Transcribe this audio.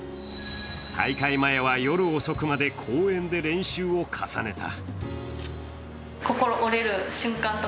大会前は夜遅くまで公園で練習を重ねた。